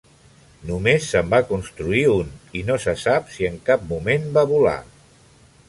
Només se'n va construir un, i no se sap si en cap moment va volar.